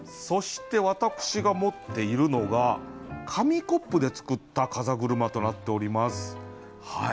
そして私が持っているのが紙コップで作った風車となっております。